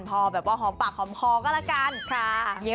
พอแบบว่าหอมปากหอมคอก็แล้วกัน